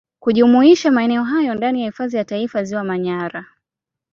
kujumuisha maeneo hayo ndani ya Hifadhi ya Taifa Ziwa Manyara